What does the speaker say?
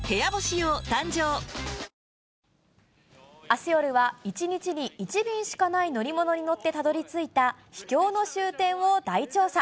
あす夜は、１日に１便しかない乗り物に乗ってたどりついた秘境の終点を大調査。